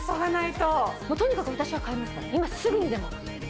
とにかく私は買いますから今すぐにでも。